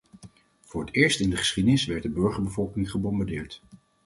Voor het eerst in de geschiedenis werd de burgerbevolking gebombardeerd.